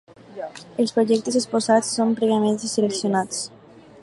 Els projectes exposats són prèviament seleccionats.